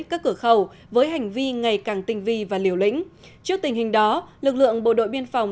các cửa khẩu với hành vi ngày càng tinh vi và liều lĩnh trước tình hình đó lực lượng bộ đội biên phòng